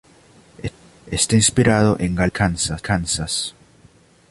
Está inspirado en Galena, Kansas.